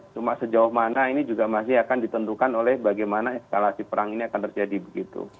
cuma sejauh mana ini juga masih akan ditentukan oleh bagaimana eskalasi perang ini akan terjadi begitu